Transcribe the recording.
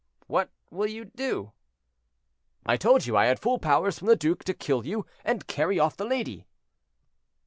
"What will you do?" "I told you I had full powers from the duke to kill you and carry off the lady."